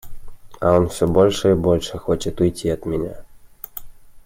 А он всё больше и больше хочет уйти от меня.